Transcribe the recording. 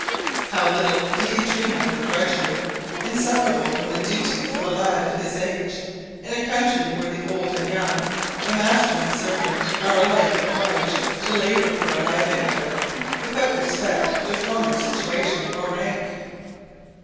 How little did he dream of the drudgery inseparable from the duties of a lad of his age, in a country where the old and young, the master and the servant, are alike obliged to labour for a livelihood, without respect to former situation or rank!